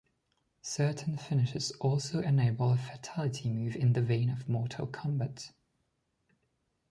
Certain finishes also enable a "fatality" move in the vein of "Mortal Kombat".